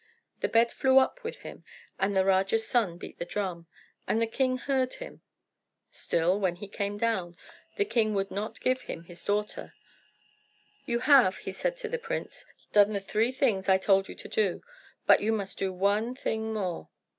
The bed flew up with him, and the Raja's son beat the drum, and the king heard him. Still, when he came down, the king would not give him his daughter. "You have," he said to the prince, "done the three things I told you to do; but you must do one thing more."